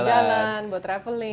buat jalan jalan buat travelling